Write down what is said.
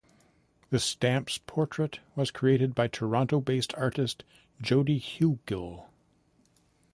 The stamp's portrait was created by Toronto-based artist Jody Hewgill.